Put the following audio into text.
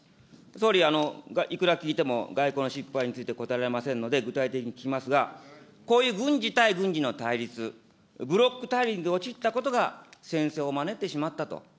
総理、いくら聞いても外交の失敗について答えられませんので、具体的に聞きますが、こういう軍事対軍事の対立、ブロックに陥ったことが、戦争を招いてしまったと。